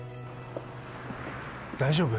大丈夫？